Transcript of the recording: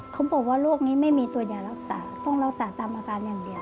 เขาบอกว่าโรคนี้ไม่มีตัวยารักษาต้องรักษาตามอาการอย่างเดียว